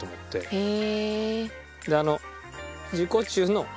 へえ。